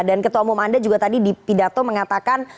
dan ketua umum anda juga tadi dipidato mengatakan